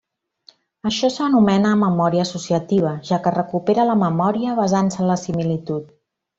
Això s'anomena memòria associativa, ja que recupera la memòria basant-se en la similitud.